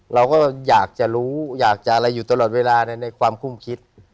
เราก็อยากจะรู้อยากจะอะไรอยู่ตลอดเวลาในความคุ้มคิด